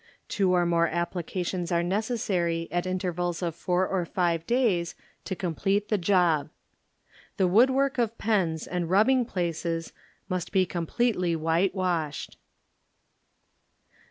Two or more applications are necessary at intervals of four or five days to complete the job. The wood work of pens and rubbing places must be completely whitewashed.